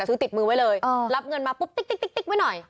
ซื้อติดมือไว้เลยรับเงินมาปุ๊บติ๊กไว้หน่อย